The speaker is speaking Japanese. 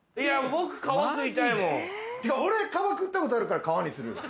俺革食ったことあるから革にするよ。